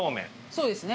そうですね。